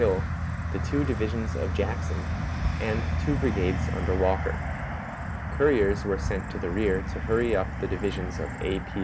Hill, the two divisions of Jackson, and two brigades under Walker. Couriers were sent to the rear to hurry up the divisions of A. P.